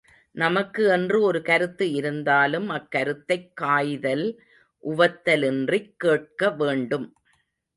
நமக்கு என்று ஒரு கருத்து இருந்தாலும் அக்கருத்தைக் காய்தல், உவத்தலின்றிக் கேட்க வேண்டும்.